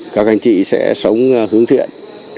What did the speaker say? các anh chị sẽ sống hướng thiện